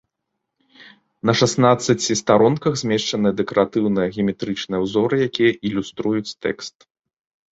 На шаснаццаці старонках змешчаныя дэкаратыўныя геаметрычныя ўзоры, якія ілюструюць тэкст.